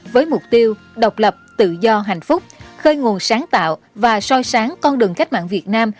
với mục tiêu độc lập tự do hạnh phúc khơi nguồn sáng tạo và soi sáng con đường cách mạng việt nam